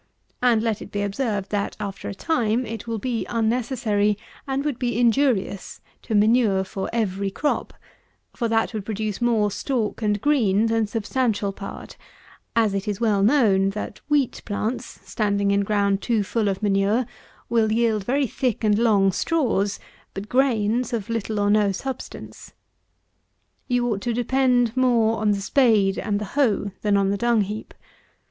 And let it be observed, that, after a time, it will be unnecessary, and would be injurious, to manure for every crop; for that would produce more stalk and green than substantial part; as it is well known, that wheat plants, standing in ground too full of manure, will yield very thick and long straws, but grains of little or no substance. You ought to depend more on the spade and the hoe than on the dung heap.